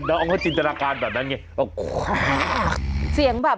เออเอาจินตนาการแบบนั้นเห็นกันอ่ะ